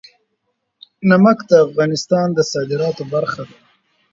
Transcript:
نمک د افغانستان د صادراتو برخه ده.